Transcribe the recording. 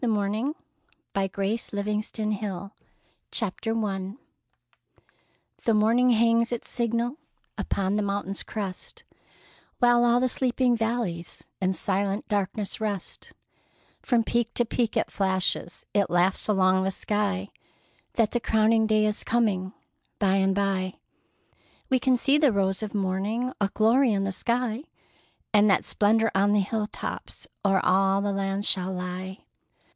B. LIPPINCOTT COMPANY Wings of the Morning "The morning hangs its signal Upon the mountain's crest, While all the sleeping valleys In silent darkness rest; From peak to peak it flashes, It laughs along the sky That the crowning day is coming, by and by! We can see the rose of morning, A glory in the sky, And that splendor on the hill tops O'er all the land shall lie.